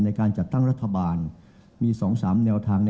ในการจัดตั้งรัฐบาลมี๒๓แนวทาง